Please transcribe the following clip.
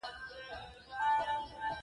استاد محمد معصوم هوتک